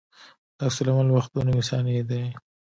د عکس العمل وخت دوه نیمې ثانیې دی